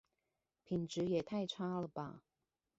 品質也太差了吧